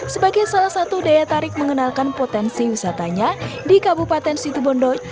sebagai salah satu daya tarik mengenalkan potensi wisatanya di kabupaten situbondo